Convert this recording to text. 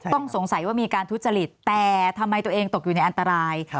ต้องสงสัยว่ามีการทุจริตแต่ทำไมตัวเองตกอยู่ในอันตราย